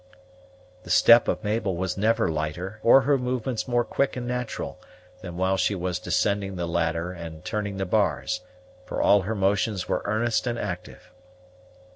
The step of Mabel was never lighter, or her movements more quick and natural, than while she was descending the ladder and turning the bars, for all her motions were earnest and active.